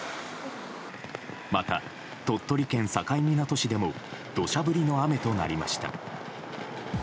また、鳥取県境港市でも土砂降りの雨となりました。